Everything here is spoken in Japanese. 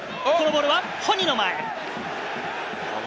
このボールはホニの前！